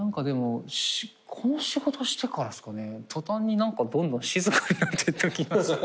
この仕事してからですかね途端にどんどん静かになってった気がする。